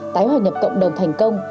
tái hòa nhập cộng đồng thành công